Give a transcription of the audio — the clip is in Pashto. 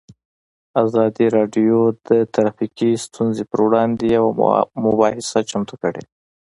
ازادي راډیو د ټرافیکي ستونزې پر وړاندې یوه مباحثه چمتو کړې.